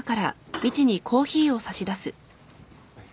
はい。